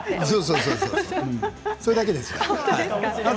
それだけです。